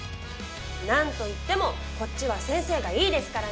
何といってもこっちは先生がいいですからね！